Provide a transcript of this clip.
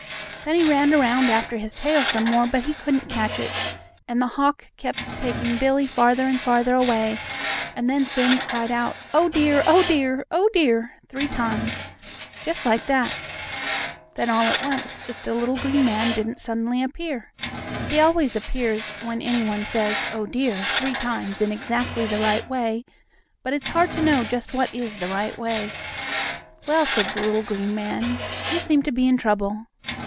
Then he ran around after his tail some more, but he couldn't catch it, and the hawk kept taking Billie farther and farther away, and then Sammie cried out: "Oh, dear! Oh, dear! Oh, dear!" three times, just like that. Then, all at once, if the little green man didn't suddenly appear. He always appears when any one says "Oh, dear!" three times in exactly the right way, but it's hard to know just what is the right way. "Well," said the little green man, "you seem to be in trouble."